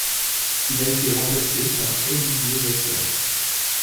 Il a été remplacé par Olivier Weissler.